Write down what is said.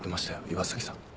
岩崎さん。